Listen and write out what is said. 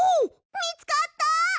みつかった！？